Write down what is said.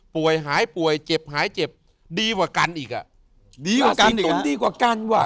หายป่วยเจ็บหายเจ็บดีกว่ากันอีกอ่ะดีกว่ากันตุ๋นดีกว่ากันว่ะ